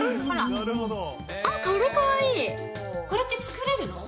これって作れるの？